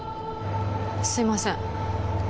すみません。